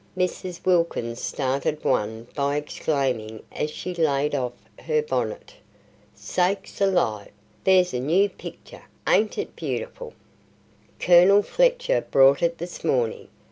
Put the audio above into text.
Mrs. Wilkins started one by exclaiming as she "laid off" her bonnet: "Sakes alive, there's a new picter! Ain't it beautiful?" "Colonel Fletcher brought it this morning.